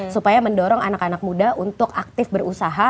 supaya mendorong anak anak muda untuk aktif berusaha